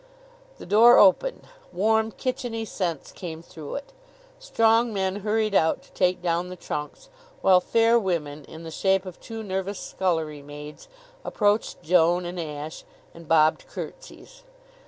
The door opened. Warm, kitcheny scents came through it. Strong men hurried out to take down the trunks, while fair women, in the shape of two nervous scullery maids, approached Joan and Ashe, and bobbed curtsies.